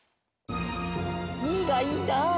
２いがいいな。